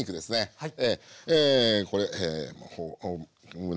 はい。